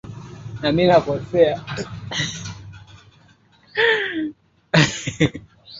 Idhaa ya Kiswahili yaadhimisha miaka sitini ya Matangazo.